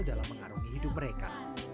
dalam mengarungi hidup mereka